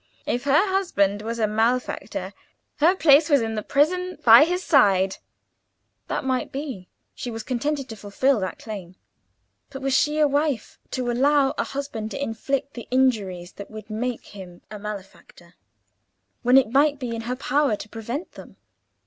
"If her husband was a malefactor, her place was in the prison by his side"—that might be; she was contented to fulfil that claim. But was she, a wife, to allow a husband to inflict the injuries that would make him a malefactor, when it might be in her power to prevent them?